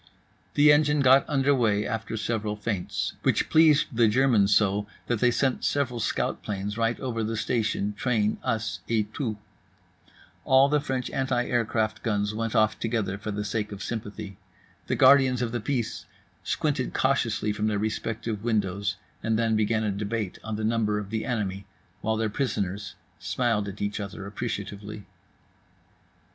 The engine got under way after several feints; which pleased the Germans so that they sent several scout planes right over the station, train, us et tout. All the French anticraft guns went off together for the sake of sympathy; the guardians of the peace squinted cautiously from their respective windows, and then began a debate on the number of the enemy while their prisoners smiled at each other appreciatively.